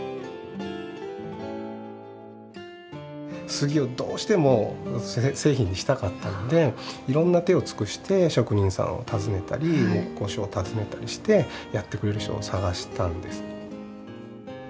スギをどうしても製品にしたかったのでいろんな手を尽くして職人さんを訪ねたり木工所を訪ねたりしてやってくれる人を探したんです。